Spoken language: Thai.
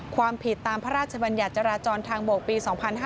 ความผิดตามพระราชบัญญัติจราจรทางบกปี๒๕๕๙